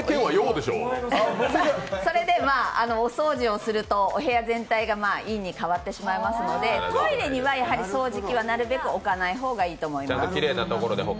それでお掃除をするとお部屋全体が陰に変わってしまいますのでトイレにはなるべく掃除機は置かない方がいいと思います。